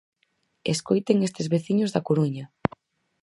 Escoiten estes veciños da Coruña.